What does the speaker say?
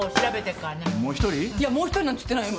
いやもう一人なんて言ってないよ